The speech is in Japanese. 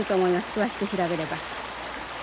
詳しく調べれば。